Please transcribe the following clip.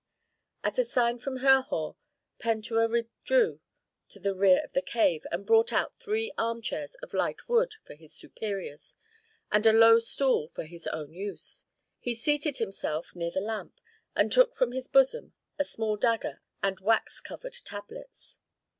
At a sign from Herhor, Pentuer withdrew to the rear of the cave and brought out three armchairs of light wood for his superiors, and a low stool for his own use. He seated himself near the lamp, and took from his bosom a small dagger and wax covered tablets.